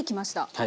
はい。